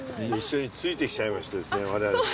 一緒について来ちゃいまして我々。